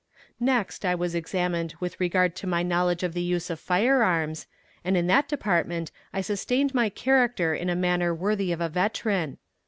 Next I was examined with regard to my knowledge of the use of firearms, and in that department I sustained my character in a manner worthy of a veteran.